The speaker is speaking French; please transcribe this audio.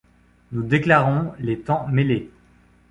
Nous déclarons les temps mêlés.